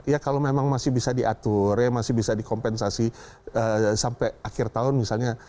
ya kalau memang masih bisa diatur ya masih bisa dikompensasi sampai akhir tahun misalnya